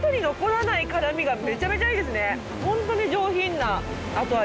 本当に上品な後味。